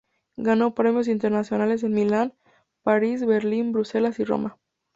Ganó premios internacionales en Milán, París, Berlín, Bruselas y Roma.